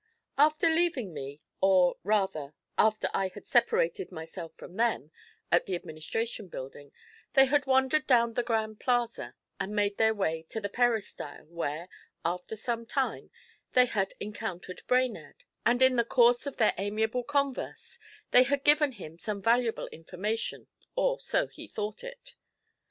After leaving me, or, rather, after I had separated myself from them at the Administration Building, they had wandered down the Grand Plaza and made their way to the Peristyle, where, after some time, they had encountered Brainerd; and in the course of their amiable converse they had given him some valuable information, or so he thought it.